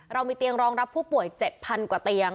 เรามีเตียงรองรับผู้ป่วย๗๐๐กว่าเตียง